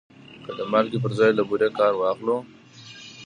که د مالګې پر ځای له بورې کار واخلو؟